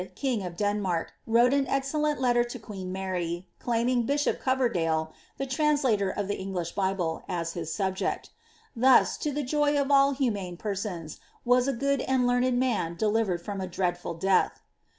king of Denmark, wrote an exeeOest letter to queen Mary, claiming bishop Goverdale, the translator of tbe English Bible, as his subject Thus, to the joy of all humane penoai, was a good and learned man delivered from a dreadful death.